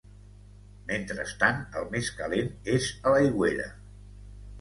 Mentrestant, el més calent és a l'aigüera.